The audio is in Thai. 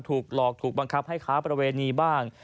ถูกหลอกถูกบังคับให้ค้าประเวณีบ้าง